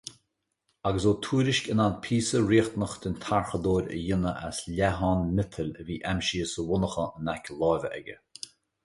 Agus Ó Tuairisg in ann píosa riachtanach den tarchuradóir a dhéanamh as leathán miotail a bhí aimsithe sa mhonarcha in aice láimhe aige.